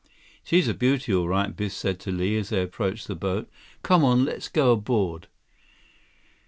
"She's a beauty, all right," Biff said to Li as they approached the boat. "Come on, let's go aboard."